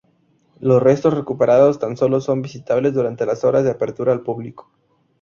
Los restos recuperados tan solo son visitables durante las horas de apertura al público.